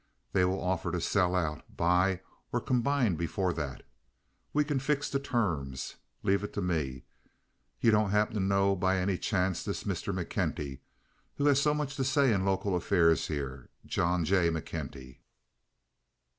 They will offer to sell out, buy, or combine before that. We can fix the terms. Leave it to me. You don't happen to know by any chance this Mr. McKenty, who has so much say in local affairs here—John J. McKenty?"